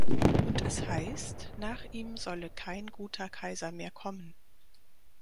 Und es heißt, nach ihm solle kein guter Kaiser mehr kommen.